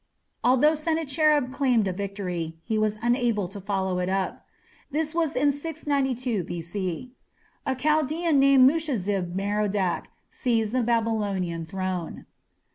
Although Sennacherib claimed a victory, he was unable to follow it up. This was in 692 B.C. A Chaldaean named Mushezib Merodach seized the Babylonian throne.